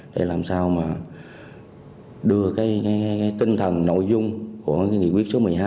để làm sao mà đưa cái tinh thần nội dung của nghị quyết số một mươi hai